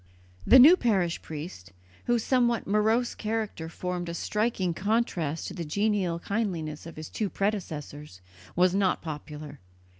The new parish priest, whose somewhat morose character formed a striking contrast to the genial kindliness of his two predecessors, was not popular.